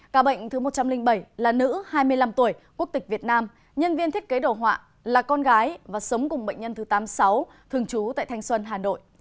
ca bệnh thứ một trăm linh bảy là nữ hai mươi năm tuổi quốc tịch việt nam nhân viên thiết kế đồ họa là con gái và sống cùng bệnh nhân thứ tám mươi sáu thường trú tại thanh xuân hà nội